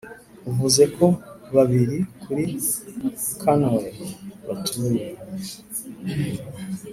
“uvuze ko babiri kuri conway batuye,